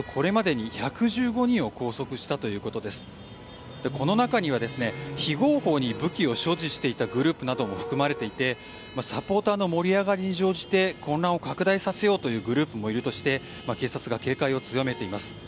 この中には非合法に武器を所持していたグループなども含まれていてサポーターの盛り上がりに乗じて混乱を拡大させようとするグループもいるとして警察が警戒を強めています。